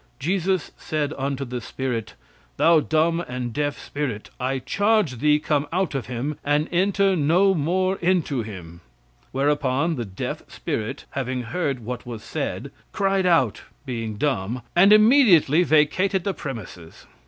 "Jesus said unto the spirit: 'Thou dumb and deaf spirit. I charge thee come out of him, and enter no more into him.'" Whereupon, the deaf spirit having heard what was said, cried out (being dumb) and immediately vacated the premises.